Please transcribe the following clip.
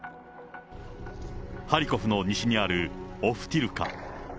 ハリコフの西にあるオフティルカ。